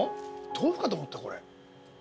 豆腐かと思ったこれ。